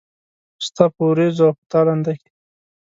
ستا په ورېځو او په تالنده کې